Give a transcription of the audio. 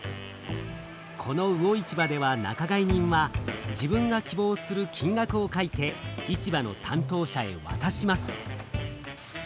この魚市場では仲買人は自分が希望する金額を書いて市場の担当者へわたします。